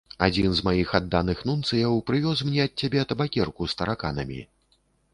Адзін з маіх адданых нунцыяў прывёз мне ад цябе табакерку з тараканамі.